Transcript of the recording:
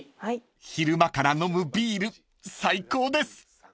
［昼間から飲むビール最高です］